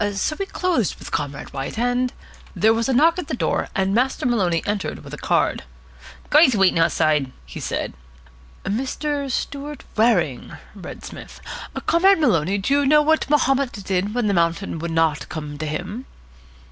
So we closed with Comrade White, and " There was a knock at the door, and Master Maloney entered with a card. "Guy's waiting outside," he said. "Mr. Stewart Waring," read Psmith. "Comrade Maloney, do you know what Mahomet did when the mountain would not come to him?"